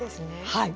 はい。